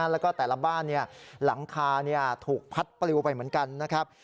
แล้วก็แต่ละบ้านหลังคาถูกพัดปลิวไปเหมือนกันนะครับ